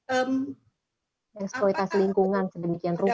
eksploitasi lingkungan kebencian rupa